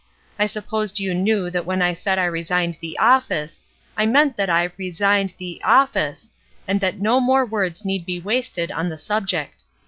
I supposed you knew that when I said I resigned the office, I meant that I resigned the office, and that no more words need be wasted on the subject.